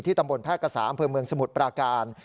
ตำบลแพร่กษาอำเภอเมืองสมุทรปราการ